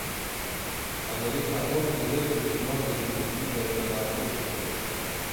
Amerîka hewl dide ku zimanê îngilîzî berbelavtir bike.